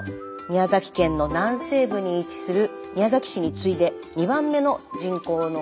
宮崎県の南西部に位置する宮崎市に次いで２番目の人口の町です。